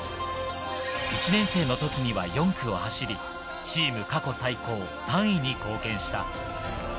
１年生の時には４区を走り、チーム過去最高３位に貢献した。